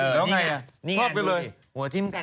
ร้องใหญ่ไม่รู้หัวทิ้มกัน